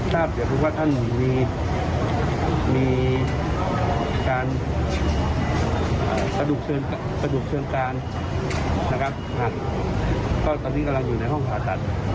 ท่านหนูมีการประดูกเชิงการนะครับตอนนี้กำลังอยู่ในห้องผ่าตัด